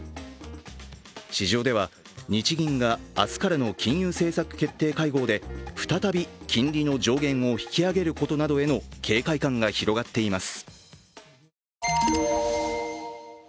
市場では日銀が明日からの金融政策決定会合で再び金利の上限を引き上げることなどへの警戒感が広がっています。